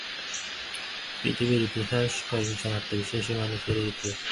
পৃথিবীর ইতিহাস কয়েকজন আত্মবিশ্বাসী মানুষেরই ইতিহাস।